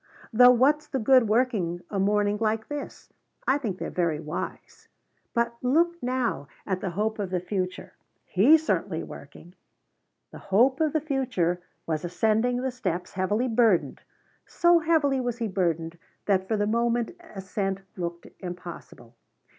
Though what's the good working a morning like this? I think they're very wise. But look now at the Hope of the Future! He's certainly working." The Hope of the Future was ascending the steps, heavily burdened. So heavily was he burdened that for the moment ascent looked impossible.